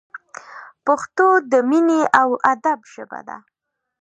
پښتو د مینې او ادب ژبه ده!